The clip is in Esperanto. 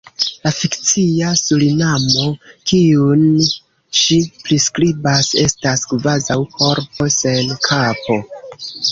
La fikcia Surinamo, kiun ŝi priskribas, estas kvazaŭ korpo sen kapo.